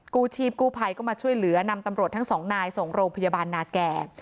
กู้ชีพกู้ภัยก็มาช่วยเหลือนำตำรวจทั้งสองนายส่งโรงพยาบาลนาแก่